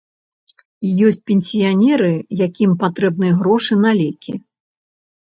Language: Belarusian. Ёсць пенсіянеры, якім патрэбны грошы на лекі.